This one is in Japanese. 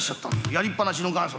やりっぱなしの元祖。